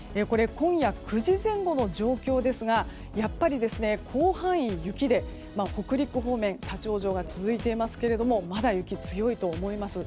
今夜９時前後の状況ですがやっぱり広範囲、雪で北陸方面立ち往生が続いていますがまだ雪が強いと思います。